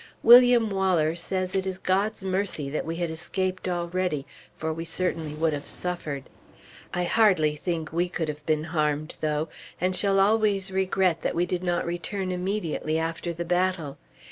William Waller says it is God's mercy that we had escaped already, for we certainly would have suffered. I hardly think we could have been harmed, though, and shall always regret that we did not return immediately after the battle.